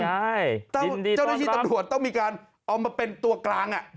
เจ้าหน้าที่ตำรวจต้องมีการเอามาเป็นตัวกลาง